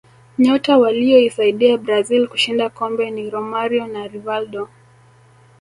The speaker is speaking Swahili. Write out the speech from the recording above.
nyota waliyoisaidia brazil kushinda kombe ni romario na rivaldo